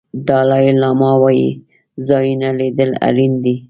دالای لاما وایي نوي ځایونه لیدل اړین دي.